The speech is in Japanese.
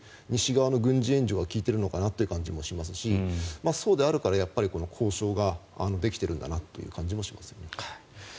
西側の軍事援助が利いているのかなという感じもしますしそうであるから交渉ができてるんだなという感じもしますよね。